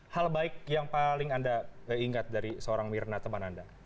hal baik yang paling anda ingat dari seorang mirna teman anda